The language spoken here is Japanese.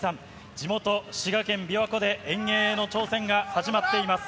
地元、滋賀県びわ湖で遠泳の挑戦が始まっています。